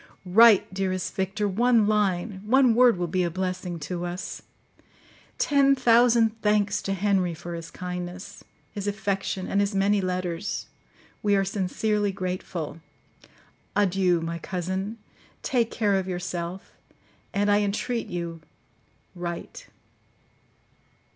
Write, dearest Victor,—one line—one word will be a blessing to us. Ten thousand thanks to Henry for his kindness, his affection, and his many letters; we are sincerely grateful. Adieu! my cousin; take care of yourself; and, I entreat you, write!